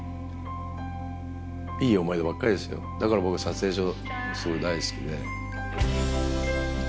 だから僕撮影所すごい大好きで。